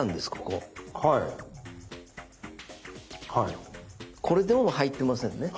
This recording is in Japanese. これでも入ってませんね？